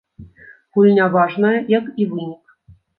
Гульня важная, як і вынік.